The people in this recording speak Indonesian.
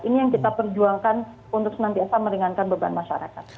ini yang kita perjuangkan untuk senantiasa meringankan beban masyarakat